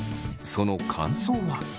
その感想は？